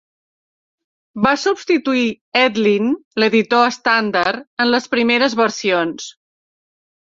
Va substituir edlin, l'editor estàndard en les primeres versions.